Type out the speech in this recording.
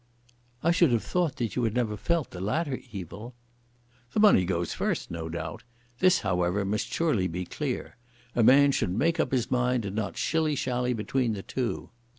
"I should have thought that you had never felt the latter evil." "The money goes first, no doubt. This, however, must surely be clear. A man should make up his mind and not shilly shally between the two."